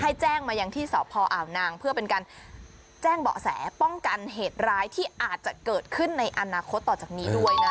แจ้งมายังที่สพอ่าวนางเพื่อเป็นการแจ้งเบาะแสป้องกันเหตุร้ายที่อาจจะเกิดขึ้นในอนาคตต่อจากนี้ด้วยนะ